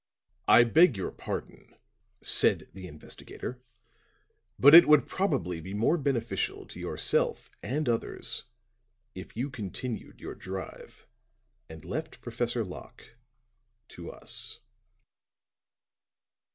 "I beg your pardon," said the investigator, "but it would probably be more beneficial to yourself and others, if you continued your drive and left Professor Locke to us."